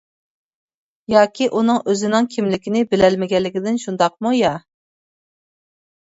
ياكى ئۇنىڭ ئۆزىنىڭ كىملىكىنى بىلەلمىگەنلىكىدىن شۇنداقمۇ يا.